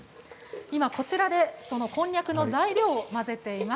こちらでこんにゃくの材料を混ぜています。